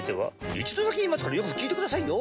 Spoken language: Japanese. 一度だけ言いますからよく聞いてくださいよ。